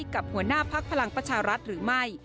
กับหัวหน้าพักพลังประชารัฐหรือไม่